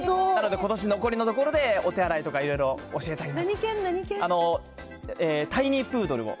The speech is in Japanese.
なので、ことし残りのところで、お手洗いとかいろいろ教えたいなと。